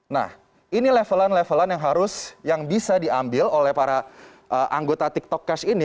nah ini levelan levelan yang harus yang bisa diambil oleh para anggota tiktok cash ini